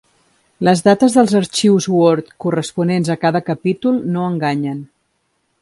Les dates dels arxius Word corresponents a cada capítol no enganyen.